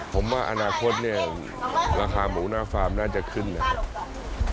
ผมว่าอนาคตเนี่ยราคาหมูหน้าฟาร์มน่าจะขึ้นนะครับ